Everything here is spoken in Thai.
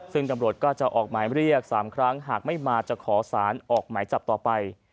ซึ่งตำรวจก็จะออกหมายเรียก๓ครั้งหากไม่มาจะขอสารออกหมายจับต่อไป